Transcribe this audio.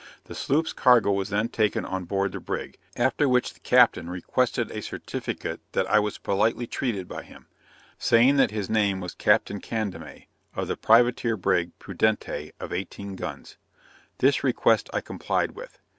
The sloop's cargo was then taken on board the brig; after which the captain requested a certificate that I was politely treated by him, saying that his name was Captain Candama, of the privateer brig Prudentee of eighteen guns. This request I complied with.